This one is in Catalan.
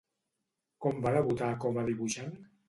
Com va debutar com a dibuixant?